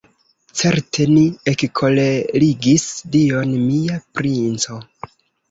Certe ni ekkolerigis Dion, mia princo.